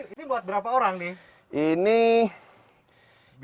ini buat berapa orang nih